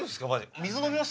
水飲みます？